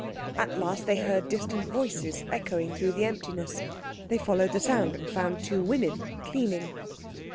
At last they heard distant voices echoing through the emptiness. They followed the sound, and found two women cleaning.